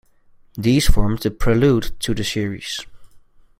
These formed the prelude to the series.